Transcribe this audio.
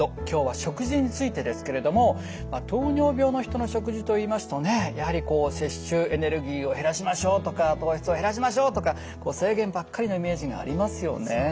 今日は食事についてですけれども糖尿病の人の食事といいますとねやはりこう摂取エネルギーを減らしましょうとか糖質を減らしましょうとかこう制限ばっかりのイメージがありますよね。